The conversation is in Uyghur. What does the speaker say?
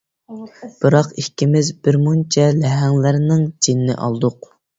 بىراق ئىككىمىز بىر مۇنچە لەھەڭلەرنىڭ جېنىنى ئالدۇق.